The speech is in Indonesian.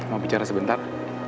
mau bicara sebentar